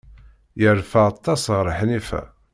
Yerfa aṭas ɣef Ḥnifa.